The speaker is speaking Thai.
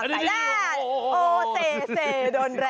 ร่วมใส่ได้